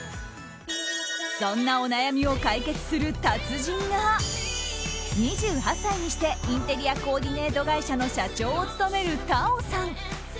そんなお悩みを解決する達人が２８歳にしてインテリアコーディネート会社の社長を務めるＴａｏさん。